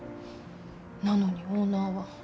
なのにオーナーは。